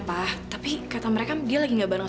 pak tapi kata mereka dia lagi gak bareng